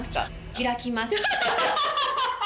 開きます！